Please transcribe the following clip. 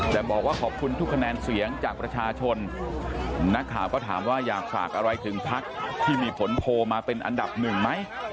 แต่บอกว่าขอบคุณทุกคะแนนเสียงจากประชาชนนักข่าวก็ถามว่าอยากฝากอะไรถึงพักที่มีผลโพลมาเป็นอันดับหนึ่งไหม